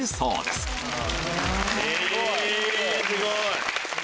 すごい！